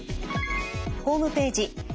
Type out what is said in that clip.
ホームページ